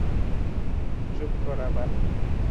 চুপ কর, আবাল।